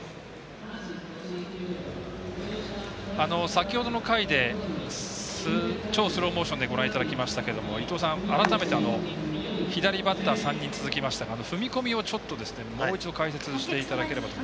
先ほどの回で超スローモーションでご覧いただきましたけれども伊東さん、改めて左バッター３人続きましたが踏み込みをもう一度解説していただければと。